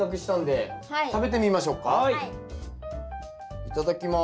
いただきます。